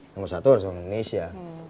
number satu harus orang indonesia